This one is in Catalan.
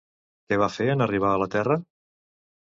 Què va fer en arribar a la Terra?